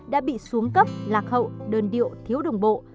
đã bị xuống cấp lạc hậu đơn điệu thiếu đồng bộ